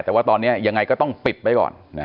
แต่ว่าตอนนี้ยังไงก็ต้องปิดไว้ก่อน